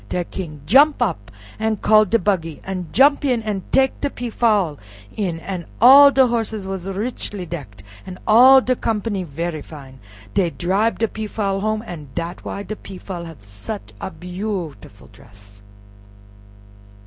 De King jump up an' call de buggy, an' jump in an' tek de Peafowl in, an' all de horses was richly decked, an' all de company very fine, dey dribe de Peafowl home, an' dat why de Peafowl hav such a beautiful dress.